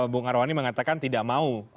bu ngarwani mengatakan tidak mau